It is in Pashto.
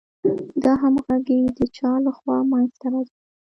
دا همغږي د چا له خوا منځ ته راځي؟